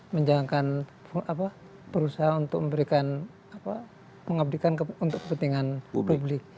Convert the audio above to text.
menjangkakan perusahaan untuk memberikan mengabdikan kepentingan publik